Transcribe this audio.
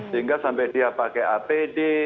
sehingga sampai dia pakai apd